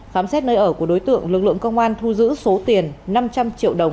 khám xét nơi ở của đối tượng lực lượng công an thu giữ số tiền năm trăm linh triệu đồng